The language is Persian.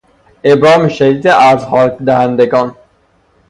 ابرام شدید عرضحال دهندگان